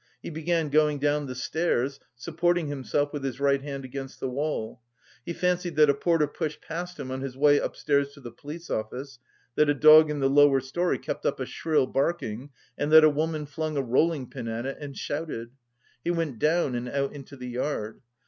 He began going down the stairs, supporting himself with his right hand against the wall. He fancied that a porter pushed past him on his way upstairs to the police office, that a dog in the lower storey kept up a shrill barking and that a woman flung a rolling pin at it and shouted. He went down and out into the yard.